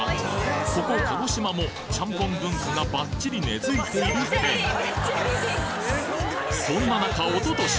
ここ鹿児島もちゃんぽん文化がバッチリ根付いている県そんな中一昨年